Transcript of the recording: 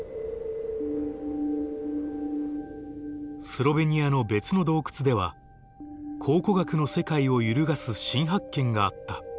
スロベニアの別の洞窟では考古学の世界を揺るがす新発見があった。